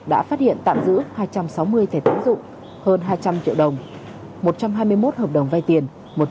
đã phát hiện tạm giữ hai trăm sáu mươi thẻ tín dụng hơn hai trăm linh triệu đồng một trăm hai mươi một hợp đồng vay tiền